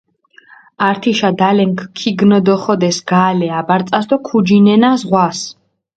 ართიშა დალენქ ქიგნოდოხოდეს გალე აბარწას დო ქუჯინენა ზღვას.